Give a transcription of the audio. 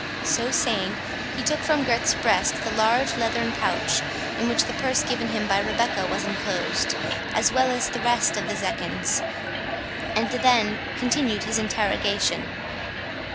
So saying, he took from Gurth's breast the large leathern pouch, in which the purse given him by Rebecca was enclosed, as well as the rest of the zecchins, and then continued his interrogation.